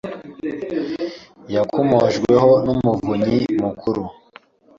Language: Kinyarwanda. yakomojweho n’Umuvunyi Mukuru